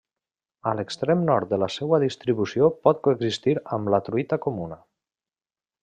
A l'extrem nord de la seua distribució pot coexistir amb la truita comuna.